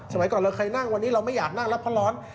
สมัยก่อนเราเคยนั่งวันนี้เราไม่อยากนั่งแล้วเพราะร้อน